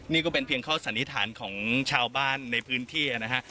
นี่ก็เป็นเพียงข้อสันนิษฐานของชาวบ้านในพื้นที่นะฮะ